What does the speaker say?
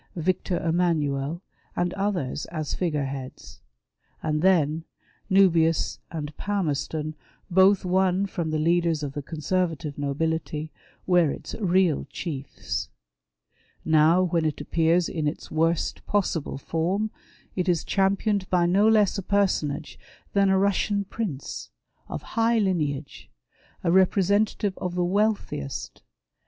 Victor Emmanuel and others as figure heads ; and then, Nubius and Palmerston both won from the leaders of the Conservative nobility, were its real chiefs. Now, when it appears in its worst possible form, it is championed by no less a personage than a Russian Prince, of high Imeage, a representative of the wealthiest, THE INTERNATIONAL, THE NIHILISTS, TUE BLACK HAND. ETC.